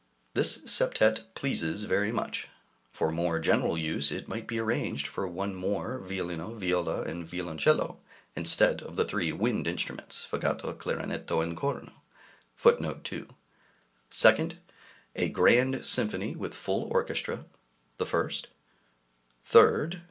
This Septet pleases very much. For more general use it might be arranged for one more violino, viola, and violoncello, instead of the three wind instruments, fagotto, clarinetto, and corno. 2d. A Grand Symphony with full orchestra [the 1st]. 3rd.